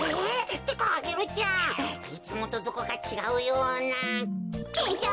ってかアゲルちゃんいつもとどこかちがうような。でしょ。